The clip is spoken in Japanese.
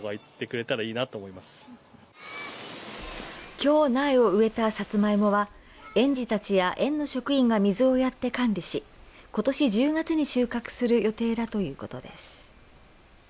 きょう苗を植えたサツマイモは園児たちや園の職員が水をやって管理しことし１０月に収穫する予定だということです。